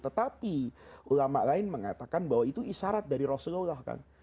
tetapi ulama lain mengatakan bahwa itu isyarat dari rasulullah kan